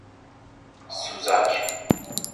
سوزاک